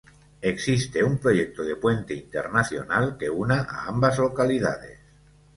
Existe un proyecto de puente internacional, que una a ambas localidades.